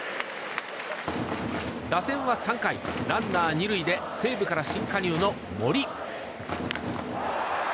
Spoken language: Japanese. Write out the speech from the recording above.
打線は３回、ランナー２塁で西武から新加入の森。